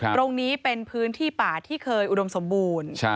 ตรงนี้เป็นพื้นที่ป่าที่เคยอุดมสมบูรณ์